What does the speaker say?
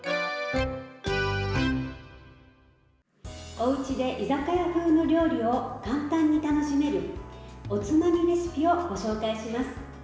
おうちで居酒屋風の料理を簡単に楽しめるおつまみレシピをご紹介します。